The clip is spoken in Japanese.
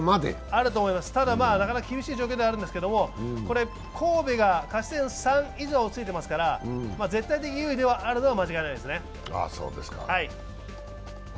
ただなかなか厳しい状況にはあるんですけれども神戸が勝ち点３以上ついてますから絶対有利であることは間違いないですね。